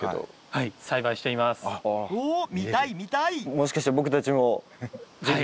もしかして僕たちも是非。